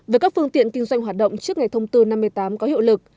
với các phương tiện kinh doanh hoạt động trước ngày thông tư năm mươi tám có hiệu lực